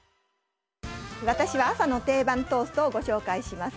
私は朝の定番トーストをご紹介します。